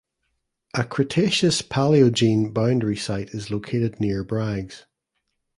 A Cretaceous–Paleogene boundary site is located near Braggs.